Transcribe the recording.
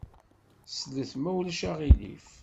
Slet, ma ulac aɣilif.